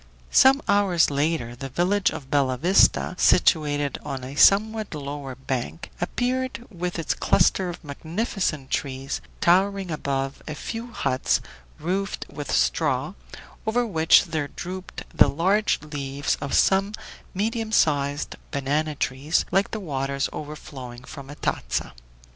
Some hours later the village of Bella Vista, situated on a somewhat lower bank, appeared, with its cluster of magnificent trees, towering above a few huts roofed with straw, over which there drooped the large leaves of some medium sized banana trees, like the waters overflowing from a tazza.